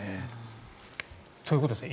そういうことですね。